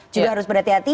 juga harus berhati hati